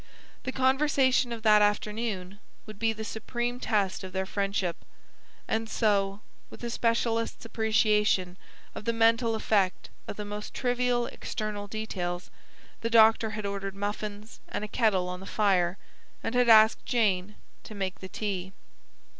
The conversation of that afternoon would be the supreme test of their friendship. And so, with a specialist's appreciation of the mental effect of the most trivial external details, the doctor had ordered muffins, and a kettle on the fire, and had asked Jane to make the tea.